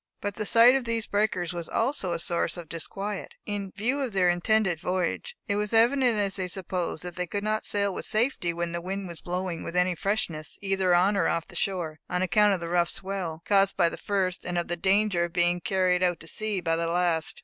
But the sight of these breakers was also a source of disquiet, in view of their intended voyage. It was evident, as they supposed, that they could not sail with safety, when the wind was blowing with any freshness, either on or off the shore, on account of the rough swell, caused by the first, and of the danger of being carried out to sea by the last.